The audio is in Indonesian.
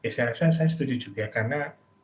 saya setuju juga karena